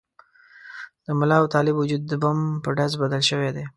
د ملا او طالب وجود د بم په ډز بدل شوي دي.